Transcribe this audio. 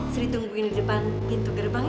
sri tungguin di depan pintu gerbangnya